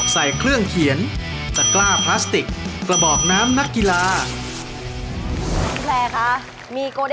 ที่คุณอยากได้ที่สุด